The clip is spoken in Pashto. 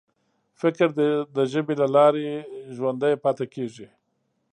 فکر د ژبې له لارې ژوندی پاتې کېږي.